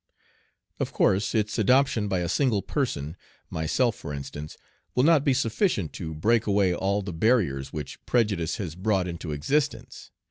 Of course its adoption by a single person, myself for instance, will not be sufficient to break away all the barriers which prejudice has brought into existence.